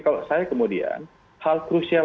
kalau saya kemudian hal krusial